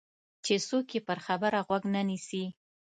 چې څوک یې پر خبره غوږ نه نیسي.